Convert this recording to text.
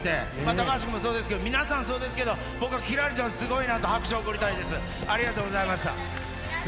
高橋君もそうですけれども、皆さんもそうですけれども、僕は輝星ちゃん、すごいなと拍手を送りたいと思います。